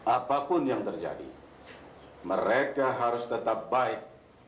apapun yang terjadi mereka harus tetap baik